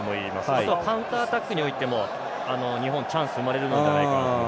あとはカウンターアタックについても日本、チャンスが生まれるのではないかなと。